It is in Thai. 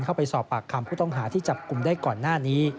เข้าไปสอบปากคำผู้ต้องหาที่จับกลุ่มได้ก่อนหน้านี้